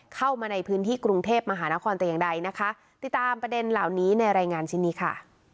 เข้ามาในพื้นที่กรุงเทพมหานครแต่อย่างใดนะคะติดตามประเด็นเหล่านี้ในรายงานชิ้นนี้ค่ะ